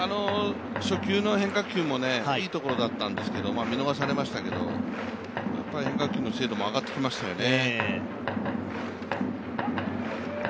初球の変化球もいいところだったんですけど見逃されましたけど、変化球の精度も上がってきましたよね。